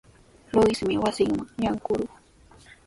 Luismi wasinman yaykurqun.